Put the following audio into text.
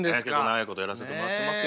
長いことやらせてもらってます。